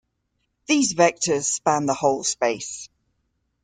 These vectors span the whole space.